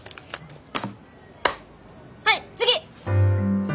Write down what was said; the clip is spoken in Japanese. はい次。